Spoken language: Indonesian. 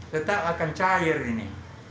tetap akan cair ini